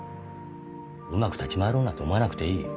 うまく立ち回ろうなんて思わなくていい。